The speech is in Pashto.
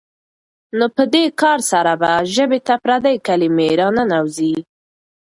نو په دې کار سره به ژبې ته پردۍ کلمې راننوځي.